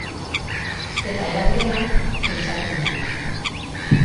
Eta era berean, pentsatu nuen.